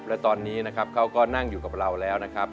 และตอนนี้นะครับเขาก็นั่งอยู่กับเราแล้วนะครับ